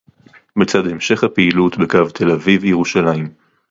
בצד המשך הפעילות בקו תל-אביב-ירושלים